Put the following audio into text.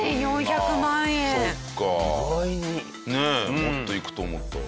もっといくと思ったわ。